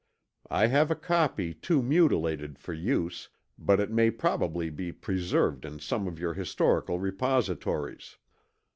I have a copy too mutilated for use, but it may probably be preserved in some of your historical repositories."